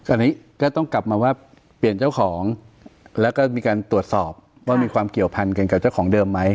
อันนี้ก็ต้องกลับมาว่าเปลี่ยนเจ้าของแล้วก็มีการตรวจสอบว่ามีความเกี่ยวพันกันกับเจ้าของเดิมไหม